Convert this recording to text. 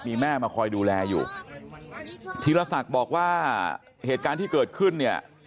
มีแม่มาคอยดูแลอยู่ธีรศักดิ์บอกว่าเหตุการณ์ที่เกิดขึ้นเนี่ย